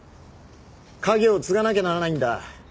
家業を継がなきゃならないんだ。